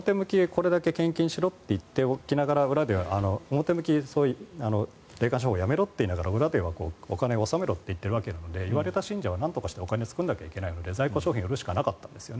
これだけ献金をしろと言っておきながら表向き、霊感商法やめろって言いながら裏ではお金を納めろと言っているわけなので言われた信者はなんとかしてお金を作らないといけないので在庫商品を売るしかなかったんです。